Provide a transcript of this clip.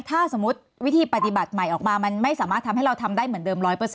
ถ้าสมมุติวิธีปฏิบัติใหม่ออกมามันไม่สามารถทำให้เราทำได้เหมือนเดิม๑๐๐